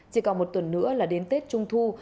chỉ còn một tuần nữa là đến tết trung thu